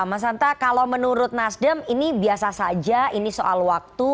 mas hanta kalau menurut nasdem ini biasa saja ini soal waktu